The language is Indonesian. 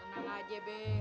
tenang aja be